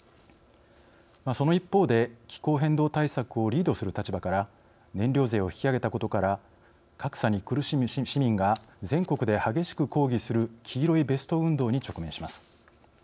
その一方で気候変動対策をリードする立場から燃料税を引き上げたことから格差に苦しむ市民が全国で激しく抗議する「黄色いベスト運動」に直面します。